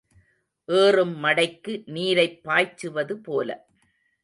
ஏறும் மடைக்கு நீரைப் பாய்ச்சுவது போல.